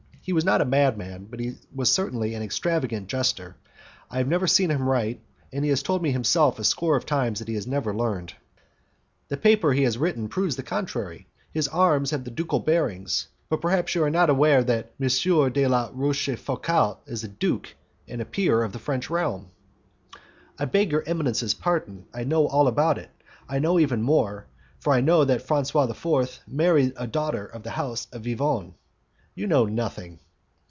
He was not a madman, but he certainly was an extravagant jester. I have never seen him write, and he has told me himself a score of times that he had never learned." "The paper he has written proves the contrary. His arms have the ducal bearings; but perhaps you are not aware that M. de la Rochefoucault is a duke and peer of the French realm?" "I beg your eminence's pardon; I know all about it; I know even more, for I know that Francois VI. married a daughter of the house of Vivonne." "You know nothing."